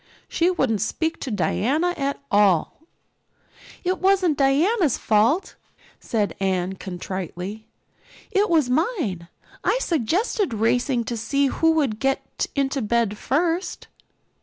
She wouldn't speak to Diana at all." "It wasn't Diana's fault," said Anne contritely. "It was mine. I suggested racing to see who would get into bed first."